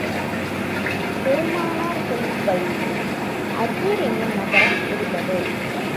பெருமானார் செல்லும் வழியில், ஹிஜர் என்னும் நகரம் இருந்தது.